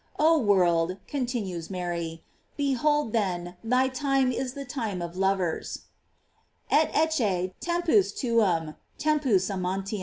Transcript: Oh world, contin ues Mary, behold, then, thy time is the time of levers: "Et ecce, tempus tuum, tempus aman din."!